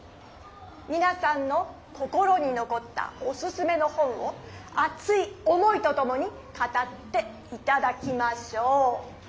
みなさんの心にのこったオススメの本をあつい思いとともにかたっていただきましょう。